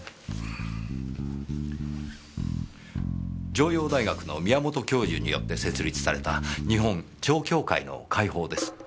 城陽大学の宮本教授によって設立された日本蝶協会の会報です。